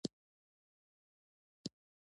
بوره مي هېره سوه .